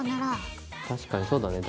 確かにそうだね